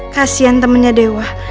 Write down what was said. kasian temennya dewa